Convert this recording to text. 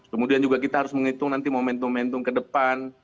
kemudian juga kita harus menghitung nanti momentum momentum ke depan